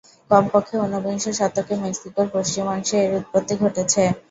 কমপক্ষে উনবিংশ শতকে মেক্সিকোর পশ্চিমাংশে এর উৎপত্তি ঘটেছে।